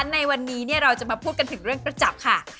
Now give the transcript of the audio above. ในวันนี้เราจะมาพูดกันถึงเรื่องกระจับค่ะ